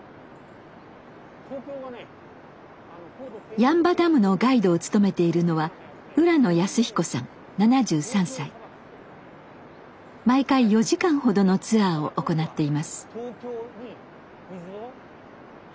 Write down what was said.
八ッ場ダムのガイドを務めているのは毎回４時間ほどのツアーを行っています。